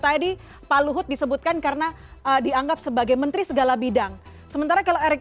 tadi pak luhut disebutkan karena dianggap sebagai menteri segala bidang sementara kalau erick